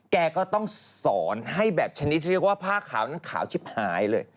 แกก็ต้องสอนให้แบบชนิดที่เรียกว่าผ้าขาวนั้นขาวชิบหายเลย